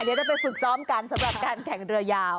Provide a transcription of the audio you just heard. ก็จะไปฝึกซ้อมกันการแข่งเรือยาว